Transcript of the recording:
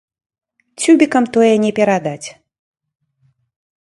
Цюбікам тое не перадаць.